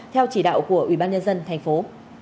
theo chỉ đạo của ubnd thành phố